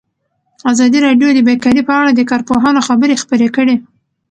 ازادي راډیو د بیکاري په اړه د کارپوهانو خبرې خپرې کړي.